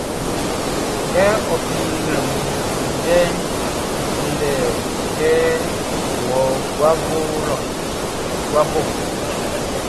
Kɛ fin nglɛmun andɛ, nʼkunnu kɛ nʼwɔ gua bo.